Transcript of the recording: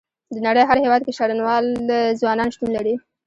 د نړۍ هر هيواد کې شرنوال ځوانان شتون لري.